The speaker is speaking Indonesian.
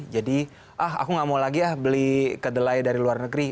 jadi ah aku gak mau lagi beli kedelai dari luar negeri